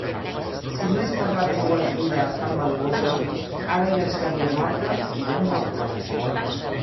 Si no és per la teua ajuda tan valuosa, ara ja estaria morta i ben morta.